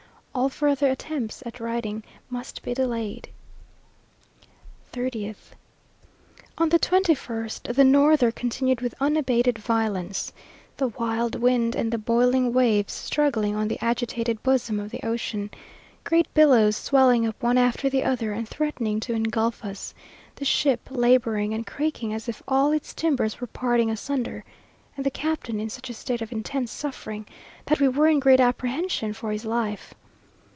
All further attempts at writing must be delayed! 3Oth. On the 21st the norther continued with unabated violence, the wild wind and the boiling waves struggling on the agitated bosom of the ocean, great billows swelling up one after the other, and threatening to engulf us; the ship labouring and creaking as if all its timbers were parting asunder, and the captain in such a state of intense suffering, that we were in great apprehension for his life.